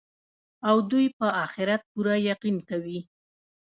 او دوى په آخرت پوره يقين كوي